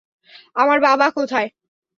আমার বাবা কোথায়?